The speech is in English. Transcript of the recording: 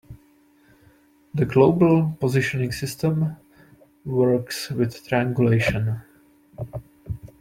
The global positioning system works with triangulation.